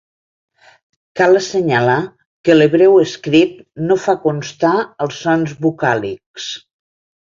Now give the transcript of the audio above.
Cal assenyalar que l'hebreu escrit no fa constar els sons vocàlics.